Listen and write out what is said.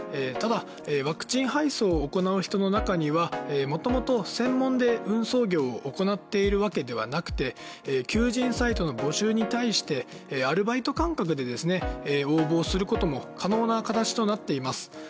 ただワクチン配送を行う人の中にはもともと専門で、運送業を行っているわけではなくて求人サイトの募集に対してアルバイト感覚でですね、応募することも可能な形となっています。